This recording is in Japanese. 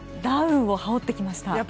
ダウンを羽織ってきました。